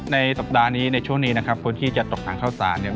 สัปดาห์นี้ในช่วงนี้นะครับคนที่จะตกทางเข้าสารเนี่ย